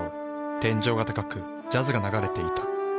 天井が高くジャズが流れていた。